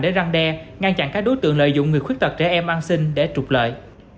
để răn đe ngăn chặn các đối tượng lợi dụng người khuyết tật trẻ em ăn xin để trục lợi